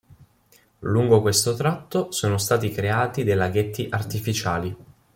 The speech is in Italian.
Lungo questo tratto, sono stati creati dei laghetti artificiali.